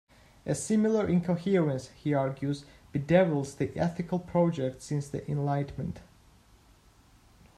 A similar incoherence, he argues, bedevils the ethical project since the Enlightenment.